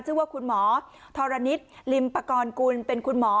เจ้าว่าคุณหมอทรณิตลิมปกรณ์กุลเป็นคุณหมอ